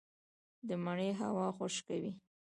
د مني هوا خشکه وي